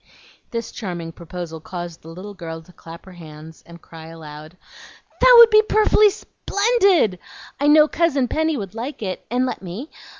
This charming proposal caused the little girl to clasp her hands and cry aloud, "That would be perfully sp'endid! I know Cousin Penny would like it, and let me.